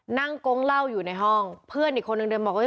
กงเหล้าอยู่ในห้องเพื่อนอีกคนนึงเดินบอกว่าเ